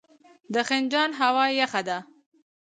د خنجان هوا یخه ده